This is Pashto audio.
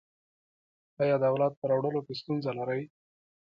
ایا د اولاد په راوړلو کې ستونزه لرئ؟